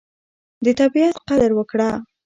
د طبیعت قدر وکړه.